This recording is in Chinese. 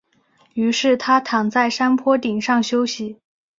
于是他躺在山坡顶上休息。